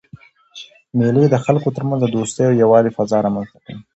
مېلې د خلکو ترمنځ د دوستۍ او یووالي فضا رامنځ ته کوي.